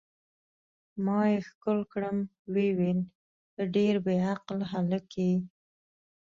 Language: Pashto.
ما یې ښکل کړم، ویې ویل: ته ډېر بې عقل هلک یې.